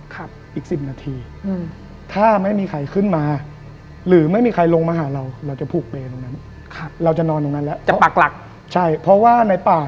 ขับอีกสิบนาทีอืมถ้าไม่มีใครขึ้นมา